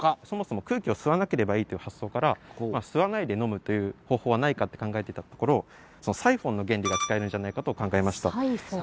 そもそも空気を吸わなければいいっていう発想から吸わないで飲むという方法はないかって考えていたところサイフォンの原理が使えるんじゃないかと考えました。